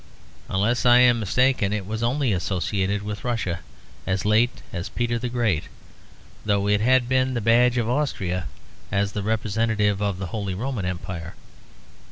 Unless I am mistaken, it was only associated with Russia as late as Peter the Great, though it had been the badge of Austria as the representative of the Holy Roman Empire.